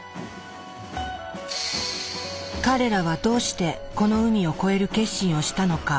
彼らはどうしてこの海を越える決心をしたのか。